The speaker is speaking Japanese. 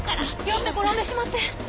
酔って転んでしまって。